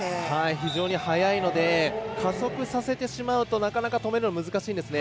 非常に速いので加速させてしまうとなかなか止めるの難しいんですね。